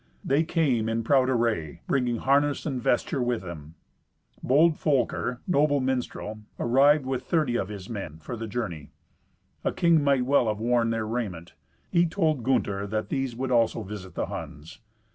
They came in proud array, bringing harness and vesture with them. Bold Folker, a noble minstrel, arrived with thirty of his men for the journey. A king might well have worn their raiment. He told Gunther that these would also visit the Huns.